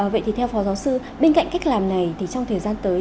vậy thì theo phó giáo sư bên cạnh cách làm này thì trong thời gian tới